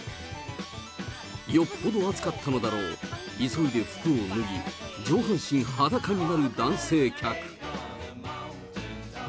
よっぽど熱かったのだろう、急いで服を脱ぎ、上半身裸になる男性客。